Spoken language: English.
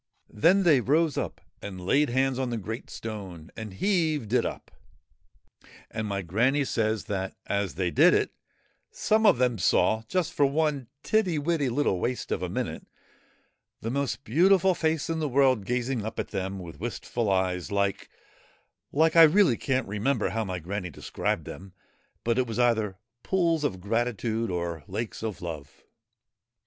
Then they rose up and laid hands on the great stone and heaved it up. And my Granny says, that as they did it, some of them saw, just for one tiddy widdy little waste of a minute, the most beautiful face in the world gazing up at them with wistful eyes like like I really can't remember how my Granny described them, but it was either ' pools of gratitude ' or ' lakes of love.'